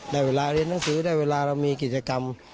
ได้เวลาเรียนหนังสือได้เวลาเรามีกิจกรรม